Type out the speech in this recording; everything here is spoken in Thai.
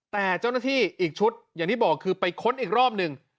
แต่เจ้าหน้าที่อีกชุดอย่างที่บอกคือไปค้นอีกรอบหนึ่ง